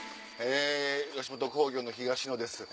吉本興業の東野です。